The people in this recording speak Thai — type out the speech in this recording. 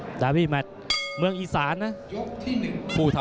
กระหน่าที่น้ำเงินก็มีเสียเอ็นจากอุบลนะครับเสียเอ็นจากอุบลนะครับ